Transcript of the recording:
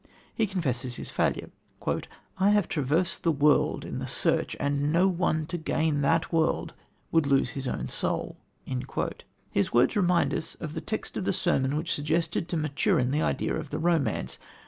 He confesses his failure: "I have traversed the world in the search, and no one to gain that world, would lose his own soul." His words remind us of the text of the sermon which suggested to Maturin the idea of the romance.